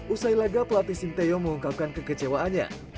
usai laga pelatih sinteyo mengungkapkan kekecewaannya